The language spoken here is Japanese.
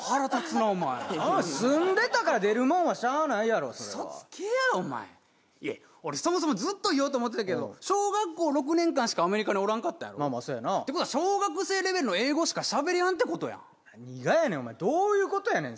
なお前住んでたから出るもんはしゃあないやろうそつけやお前俺そもそもずっと言おうと思ってたけど小学校６年間しかアメリカにおらんかったんやろまあまあそうやなてことは小学生レベルの英語しかしゃべりやんってことやん何がやねんお前どういうことやねん？